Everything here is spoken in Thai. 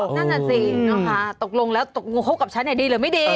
นั่นน่ะสินะคะตกลงแล้วตกลงคบกับฉันดีหรือไม่ดี